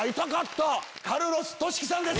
カルロス・トシキさんです